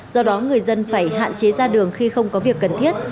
do đó người dân phải hạn chế ra đường khi không có việc cần thiết